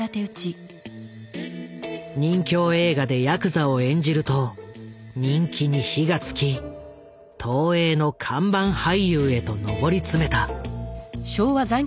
任侠映画でヤクザを演じると人気に火がつき東映の看板俳優へと上り詰めた。